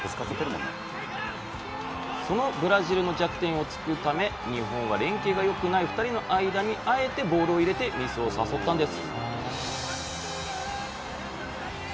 そのブラジルの弱点を突くため日本は連携が良くない２人の間にあえてボールを入れてミスを誘ったんです。